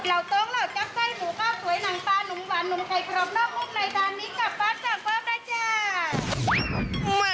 เหล่าต้องเหล่าจับไส้หมูข้าวสวยหนังปลานมวันนมไข่ครอบนอกหุ้มในด้านนี้กับฟัสสั่งเพิ่มนะจ้า